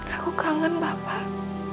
aku kangen bapak